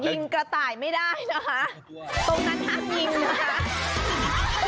ยิงกระต่ายไม่ได้นะคะตรงนั้นห้ามยิงนะคะ